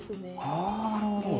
あなるほど！